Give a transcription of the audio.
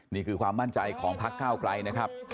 นี่คือความมั่นใจของพักเก้าไกลนะครับ